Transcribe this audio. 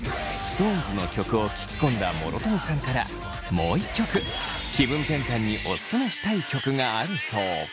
ＳｉｘＴＯＮＥＳの曲を聴き込んだ諸富さんからもう一曲気分転換にオススメしたい曲があるそう。